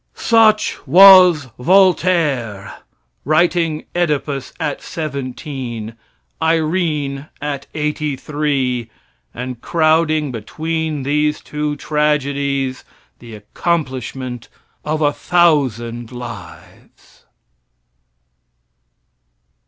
Such was Voltaire, writing "Edipus" at seventeen, "Irene" at eighty three, and crowding between these two tragedies, the accomplishment of a thousand lives.